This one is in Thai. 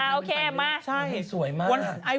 โอเคมาใช่สวยมาก